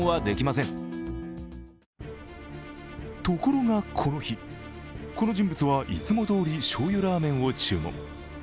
ところが、この日、この人物はいつもどおりしょうゆラーメンを注文。